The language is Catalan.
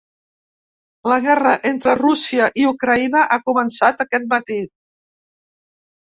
La guerra entre Rússia i Ucraïna ha començat aquest matí.